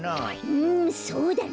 うんそうだね。